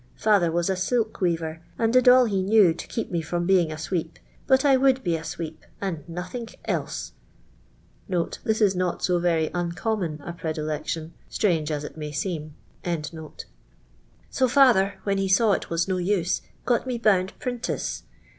Father was a silk weaver, nnd did all he knew to keep me from being a sweep, but I would be a sweep, and nothink else." [This is not so very uncommon a predilection, strange as it may seem.] *' So iisther, when he saw it was no use, got me bound prixi tice.